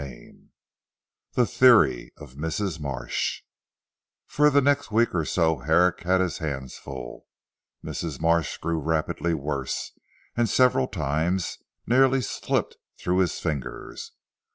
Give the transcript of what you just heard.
CHAPTER V THE THEORY OF MRS. MARSH For the next week or so, Herrick had his hands full. Mrs. Marsh grew rapidly worse, and several times nearly slipped through his fingers.